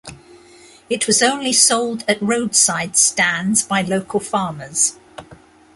It was only sold at roadside stands by local farmers.